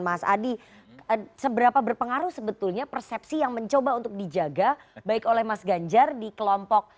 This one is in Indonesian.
mas adi seberapa berpengaruh sebetulnya persepsi yang mencoba untuk dijaga baik oleh mas ganjar di kelompok